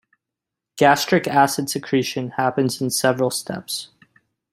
Gastric acid secretion happens in several steps.